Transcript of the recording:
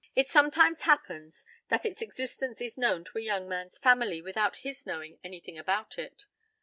It sometimes happens that its existence is known to a young man's family without his knowing anything about it.